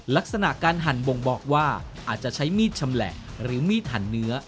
ลักษณะการหั่นบ่งบอกว่าอาจจะใช้มีดชำแหละหรือมีดหันเนื้อ